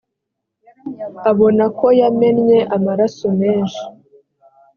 abona ko yamennye amaraso menshi.